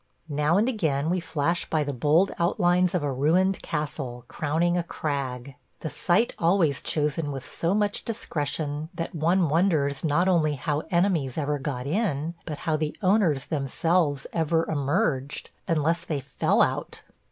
Now and again we flash by the bold outlines of a ruined castle crowning a crag: the site always chosen with so much discretion that one wonders not only how enemies ever got in, but how the owners themselves ever emerged – unless they fell out.